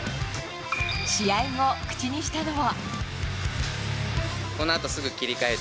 試合後、口にしたのは。